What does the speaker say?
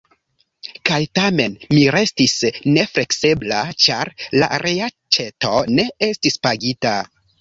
Kaj tamen mi restis nefleksebla, ĉar la reaĉeto ne estis pagita.